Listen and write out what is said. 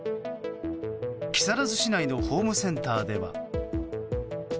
木更津市内のホームセンターでは。